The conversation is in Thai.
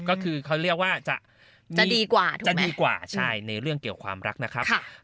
ก็คือเขาเรียกว่าจะดีกว่าด้วยจะดีกว่าใช่ในเรื่องเกี่ยวความรักนะครับ